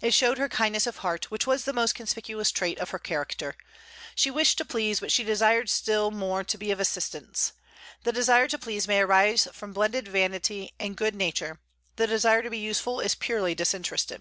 It showed her kindness of heart, which was the most conspicuous trait of her character. She wished to please, but she desired still more to be of assistance. The desire to please may arise from blended vanity and good nature; the desire to be useful is purely disinterested.